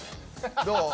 どう？